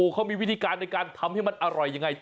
เขามีวิธีการในการทำให้มันอร่อยยังไง